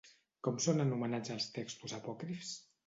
Com són anomenats els textos apòcrifs?